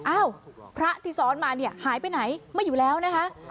อ้าวพระที่ซ้อนมาเนี่ยหายไปไหนไม่อยู่แล้วนะคะ